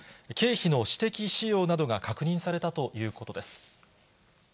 経費の私的使用などが確認されたということです。